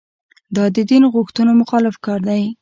دا د دین غوښتنو مخالف کار دی.